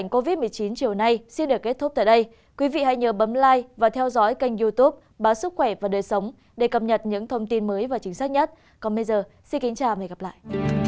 còn bây giờ xin kính chào và hẹn gặp lại